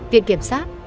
viện kiểm sát